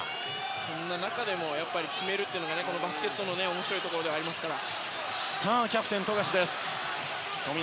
こんな中でも決めるというのがこのバスケットの面白いところではありますから。